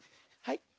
はい。